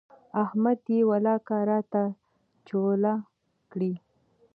احمد يې ولاکه راته چوله کړي.